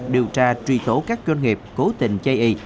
điều tra truy tố các doanh nghiệp cố tình chây y